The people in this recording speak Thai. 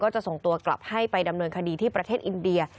จะส่งตัวกลับให้ไปดำเนินคดีที่ประเทศอินเดีย